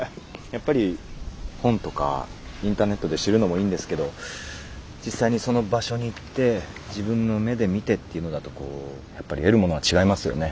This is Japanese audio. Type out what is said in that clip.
やっぱり本とかインターネットで知るのもいいんですけど実際にその場所に行って自分の目で見てっていうのだとこうやっぱり得るものは違いますよね。